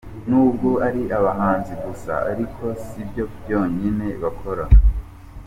N’ubwo ari abahanzi gusa ariko sibyo byonyine bakora.